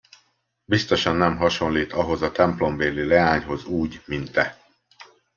Biztosan nem hasonlít ahhoz a templombéli leányhoz úgy, mint te.